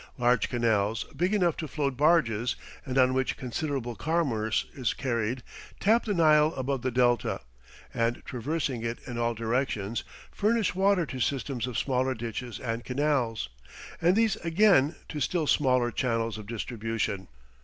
Large canals, big enough to float barges, and on which considerable commerce is carried, tap the Nile above the Delta, and traversing it in all directions, furnish water to systems of smaller ditches and canals, and these again to still smaller channels of distribution.